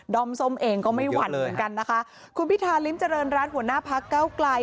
อมส้มเองก็ไม่หวั่นเหมือนกันนะคะคุณพิธาริมเจริญรัฐหัวหน้าพักเก้าไกล